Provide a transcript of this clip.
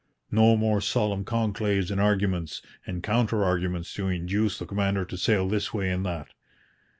No more solemn conclaves and arguments and counter arguments to induce the commander to sail this way and that!